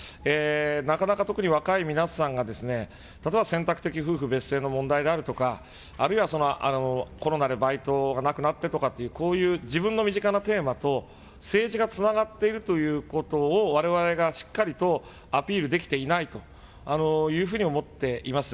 なかなか特に若い皆さんが例えば、選択的夫婦別姓の問題であるとか、あるいはコロナでバイトがなくなってとかっていう、こういう自分の身近なテーマと、政治がつながっているということを、われわれがしっかりとアピールできていないというふうに思っています。